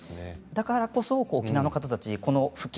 だからこそ沖縄の方たち復帰